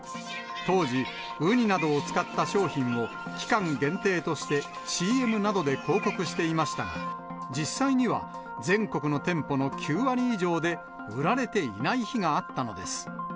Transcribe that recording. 当時、ウニなどを使った商品を期間限定としてＣＭなどで広告していましたが、実際には全国の店舗の９割以上で売られていない日があったのです。